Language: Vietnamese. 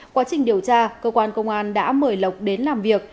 quá trình điều tra cơ quan công an đã mời lộc đến làm việc